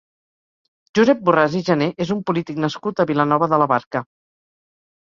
Josep Borràs i Gené és un polític nascut a Vilanova de la Barca.